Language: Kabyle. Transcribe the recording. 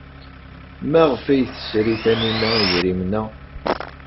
Maɣef ay tesri Taninna idrimen-a?